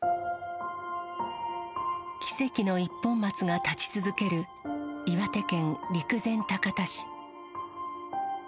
奇跡の一本松が立ち続ける、岩手県陸前高田市。